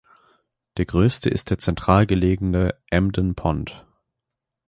Der größte ist der zentral gelegene "Embden Pond".